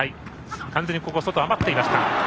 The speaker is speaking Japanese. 完全に外、余っていました。